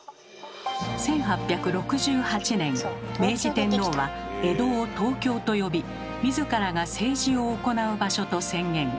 １８６８年明治天皇は江戸を「東京」と呼び自らが政治を行う場所と宣言。